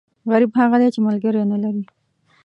غریب هغه دی، چې ملکری نه لري.